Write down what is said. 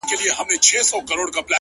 o ليري له بلا سومه؛ چي ستا سومه؛